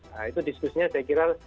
nah itu diskusinya saya kira